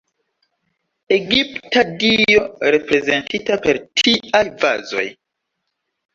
Egipta dio reprezentita per tiaj vazoj.